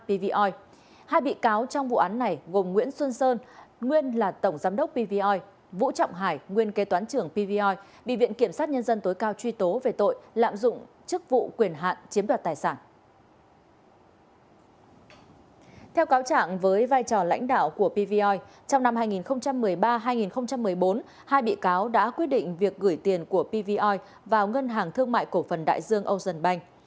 theo cáo trạng với vai trò lãnh đạo của pvoi trong năm hai nghìn một mươi ba hai nghìn một mươi bốn hai bị cáo đã quyết định việc gửi tiền của pvoi vào ngân hàng thương mại cổ phần đại dương ocean bank